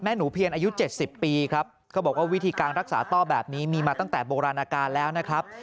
หนูเพียรอายุ๗๐ปีครับเขาบอกว่าวิธีการรักษาต้อแบบนี้มีมาตั้งแต่โบราณการแล้วนะครับ